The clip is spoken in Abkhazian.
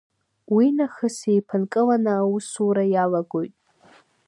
Уи нахыс еиԥынкыланы аусура иалагоит.